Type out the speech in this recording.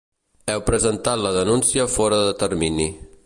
Heu presentat la denúncia fora de termini.